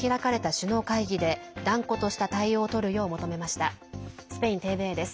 スペインＴＶＥです。